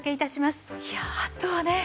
いやああとはね